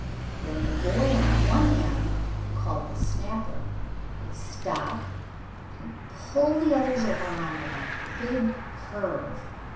Then the boy on one end, called the snapper, would stop and pull the others around in a big curve.